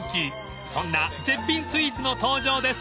［そんな絶品スイーツの登場です］